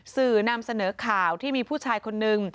สื่อนำเสนอข่าวที่มีผู้ชายคนนึง